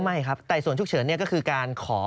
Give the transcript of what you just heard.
ไม่ครับไต่สวนฉุกเฉินก็คือการขอ